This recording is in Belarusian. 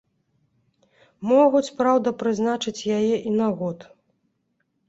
Могуць, праўда, прызначыць яе і на год.